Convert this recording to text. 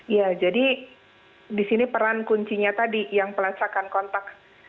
ya jadi di sini peran kuncinya tadi yang pelacakan kontak